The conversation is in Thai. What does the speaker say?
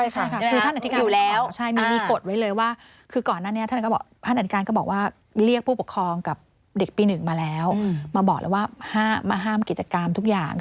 ใช่ค่ะคือท่านอธิการอยู่แล้วมีกฎไว้เลยว่าคือก่อนหน้านี้ท่านก็บอกท่านอันการก็บอกว่าเรียกผู้ปกครองกับเด็กปี๑มาแล้วมาบอกแล้วว่ามาห้ามกิจกรรมทุกอย่าง